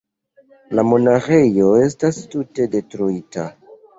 La monaĥejo estas tute detruita.